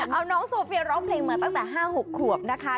เอาน้องโซเฟียร้องเพลงมาตั้งแต่๕๖ขวบนะคะ